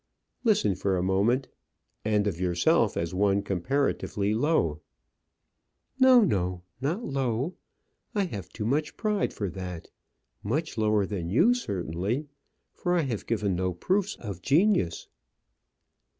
"Listen for a moment and of yourself as one comparatively low." "No, no, not low; I have too much pride for that; much lower than you, certainly, for I have given no proofs of genius."